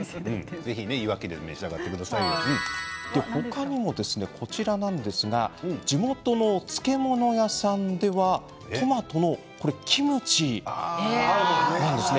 ぜひ、いわきで他にも地元の漬物屋さんではトマトのキムチなんですね。